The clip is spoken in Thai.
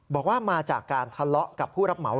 บอกว่ามาจากการทะเลาะกับผู้รับเหมา